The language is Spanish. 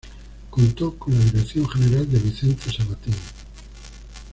Contó con la dirección general de Vicente Sabatini.